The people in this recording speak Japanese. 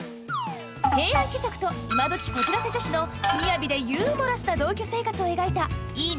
平安貴族と今どきこじらせ女子の雅でユーモラスな同居生活を描いた「いいね！